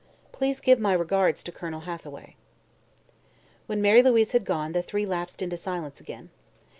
Please give my regards to Colonel Hathaway." When Mary Louise had gone the three lapsed into silence again.